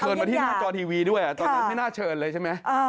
มาที่หน้าจอทีวีด้วยตอนนั้นไม่น่าเชิญเลยใช่ไหม